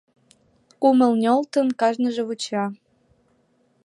Кумыл нӧлтын, кажныже вуча.